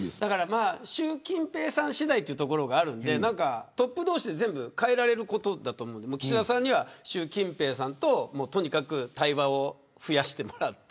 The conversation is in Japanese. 習近平さん次第というところがあるんでトップ同士で変えられることだと思うんで岸田さんには習近平さんととにかく対話を増やしてもらって。